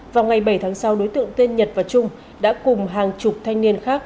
vào ngày bảy tháng sáu đối tượng tên nhật và trung đã cùng hàng chục thanh niên khác